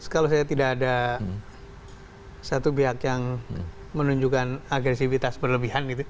kalau saya tidak ada satu pihak yang menunjukkan agresivitas berlebihan